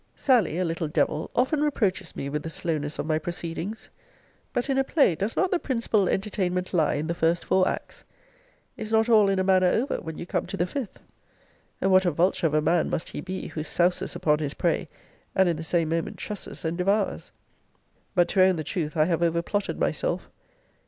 Sally, a little devil, often reproaches me with the slowness of my proceedings. But in a play does not the principal entertainment lie in the first four acts? Is not all in a manner over when you come to the fifth? And what a vulture of a man must he be, who souses upon his prey, and in the same moment trusses and devours? But to own the truth. I have overplotted myself.